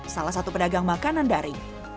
salah satu pedagang makanan daring